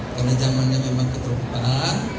karena zamannya memang ketrubahan